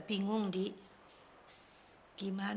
ini dia yang begini